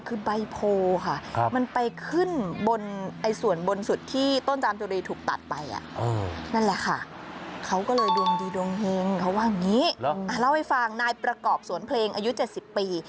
คือใบโพค่ะมันไปขึ้นบนส่วนบนสุดที่ต้นจามจุรียักษ์ถูกตัดไป